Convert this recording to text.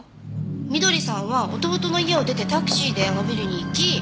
翠さんは弟の家を出てタクシーであのビルに行き。